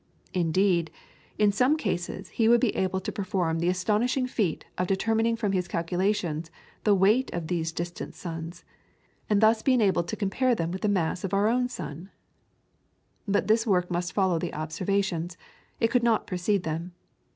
Indeed, in some cases he would be able to perform the astonishing feat of determining from his calculations the weight of these distant suns, and thus be enabled to compare them with the mass of our own sun. [PLATE: NEBULA IN SOUTHERN HEMISPHERE, drawn by Sir John Herschel.] But this work must follow the observations, it could not precede them.